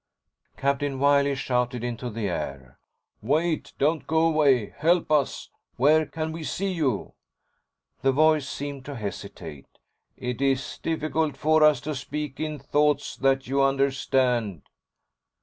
Captain Wiley shouted into the air. "Wait! Don't go away! Help us! Where can we see you?" The voice seemed to hesitate. "It is difficult for us to speak in thoughts that you understand."